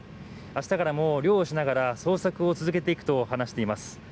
明日からも漁をしながら捜索を続けていくと話しています。